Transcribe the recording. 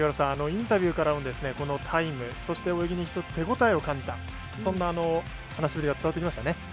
インタビューからも、このタイムそして、泳ぎに１つ手応えを感じたそんな話しぶりが伝わってきましたね。